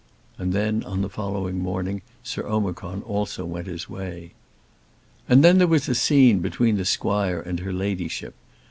And then, on the following morning, Sir Omicron also went his way. And then there was a scene between the squire and her ladyship.